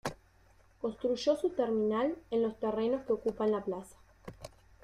Construyó su terminal en los terrenos que ocupan la plaza.